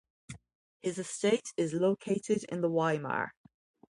His estate is located in the in Weimar.